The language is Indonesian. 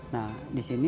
nah di sini